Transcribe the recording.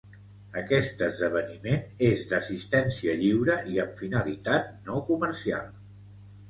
Aquest esdeveniment és d'assistència lliure i amb finalitat no comercial.